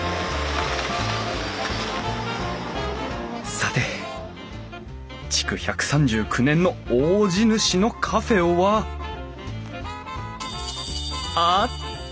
さて築１３９年の大地主のカフェはあった！